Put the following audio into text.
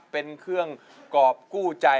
เป็นเครื่องกรอบกู้ใจ